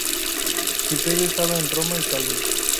Su sede estaba en Roma, Italia.